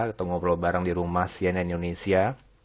atau ngobrol bareng di rumah cnn indonesia